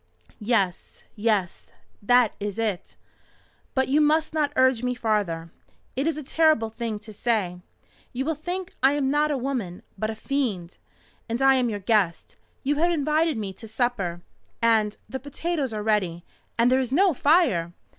"Yes yes, that is it. But you must not urge me farther. It is a terrible thing to say. You will think I am not a woman, but a fiend. And I am your guest. You have invited me to supper. And the potatoes are ready, and there is no fire!"